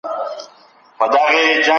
په کور يا بهر کي له پيغورونو سره مخ کيږي